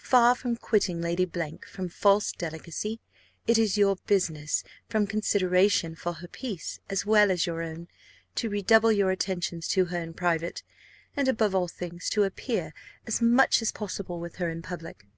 Far from quitting Lady from false delicacy, it is your business, from consideration for her peace, as well as your own, to redouble your attentions to her in private, and, above all things, to appear as much as possible with her in public.